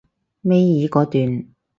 尾二嗰段